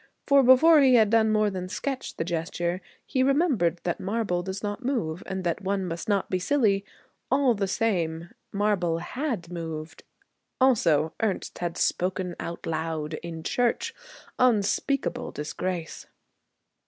For before he had done more than sketch the gesture, he remembered that marble does not move and that one must not be silly. All the same, marble had moved. Also Ernest had 'spoken out loud' in church. Unspeakable disgrace!